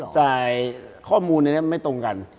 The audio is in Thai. แต่ว่าจ่ายข้อมูลในนั้นมันไม่ตรงกัน